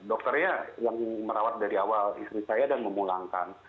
dokternya yang merawat dari awal istri saya dan memulangkan